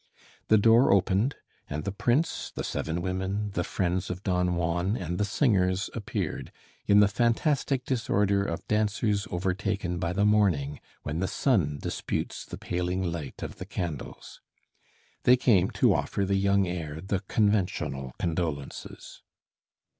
The door opened and the prince, the seven women, the friends of Don Juan and the singers, appeared, in the fantastic disorder of dancers overtaken by the morning, when the sun disputes the paling light of the candles. They came to offer the young heir the conventional condolences.